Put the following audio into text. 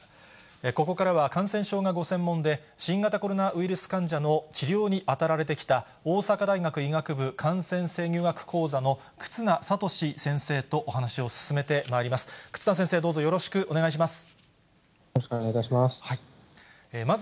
ここからは感染症がご専門で、新型コロナウイルス患者の治療に当たられてきた大阪大学医学部感染制御学講座の忽那賢志先生とお話を進めてまいります。